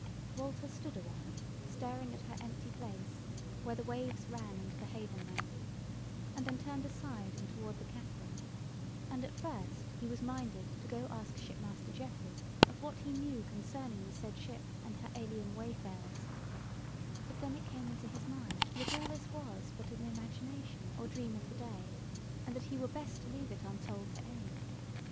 Walter stood awhile staring at her empty place where the waves ran into the haven mouth, and then turned aside and toward the Katherine; and at first he was minded to go ask shipmaster Geoffrey of what he knew concerning the said ship and her alien wayfarers; but then it came into his mind, that all this was but an imagination or dream of the day, and that he were best to leave it untold to any.